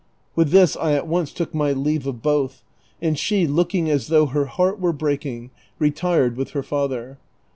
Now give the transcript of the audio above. With this I at once took my leave of both ; and she, looking as though her heart were breaking, retired with her father.